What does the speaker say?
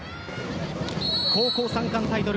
高校３冠タイトル